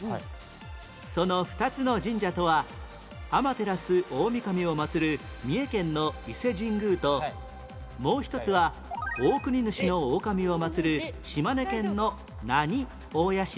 その２つの神社とは天照大神を祀る三重県の伊勢神宮ともう１つは大国主大神を祀る島根県の何大社？